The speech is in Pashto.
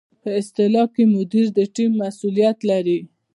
په اصطلاح کې مدیر د ټیم مسؤلیت لري.